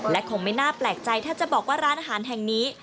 และคงไม่น่าแปลกใจถ้าจะบอกว่าร้านอาหารแห่งนี้